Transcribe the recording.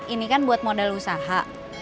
ini kan buat modal usaha